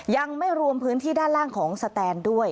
ยังไม่รวมพื้นที่ด้านล่างของสแตนด้วย